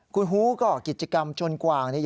คุณฮูก่อกิจกรรมชนกวางเนี่ย